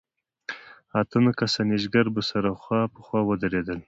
اته نه کسه نېشګر به سره خوا په خوا ودرېدل.